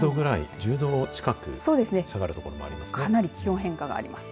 １０度近く下がる所もありますね。